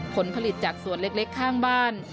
ผลผลิตจากส่วนเล็กข้างบ้าน